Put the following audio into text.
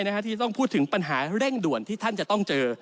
ที่จะต้องพูดถึงปัญหาเร่งด่วนที่ท่านจะต้องเจอ